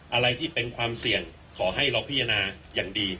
อะไรที่เป็นความเสี่ยงขอให้เราพิจารณาอย่างดี